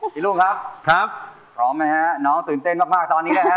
ลูกครับครับพร้อมไหมฮะน้องตื่นเต้นมากมากตอนนี้นะฮะ